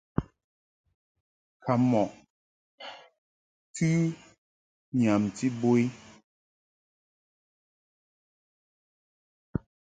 Kam mɔʼ tɨ nyamti bo i.